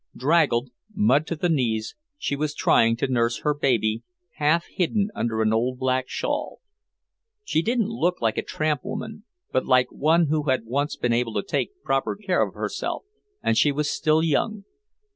Draggled, mud to the knees, she was trying to nurse her baby, half hidden under an old black shawl. She didn't look like a tramp woman, but like one who had once been able to take proper care of herself, and she was still young.